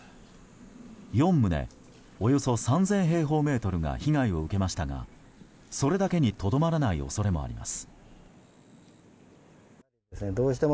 ４棟およそ３０００平方メートルが被害を受けましたがそれだけにとどまらない恐れもあります。